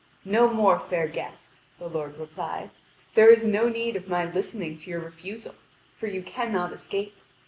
"No more, fair guest," the lord replied: "there is no need of my listening to your refusal, for you cannot escape.